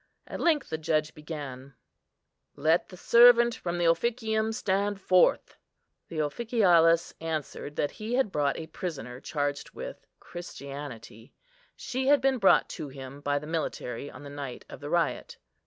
At length the judge began—"Let the servant from the Officium stand forth." The officialis answered that he had brought a prisoner charged with Christianity; she had been brought to him by the military on the night of the riot.